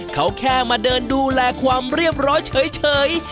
เขาแค่มาเดินดูแลความเรียบร้อยเฉย